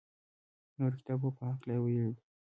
نورو کتابو په هکله یې ویلي دي.